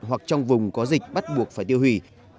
hoặc trong vùng có dịch bắt buộc phải tiêu hủy